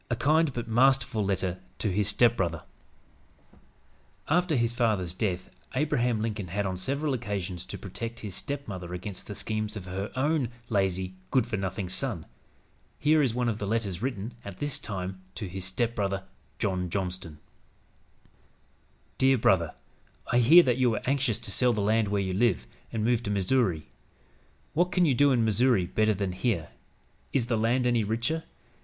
A KIND BUT MASTERFUL LETTER TO HIS STEPBROTHER After his father's death Abraham Lincoln had, on several occasions, to protect his stepmother against the schemes of her own lazy, good for nothing son. Here is one of the letters written, at this time, to his stepbrother, John Johnston: "DEAR BROTHER: I hear that you were anxious to sell the land where you live, and move to Missouri. What can you do in Missouri better than here? Is the land any richer?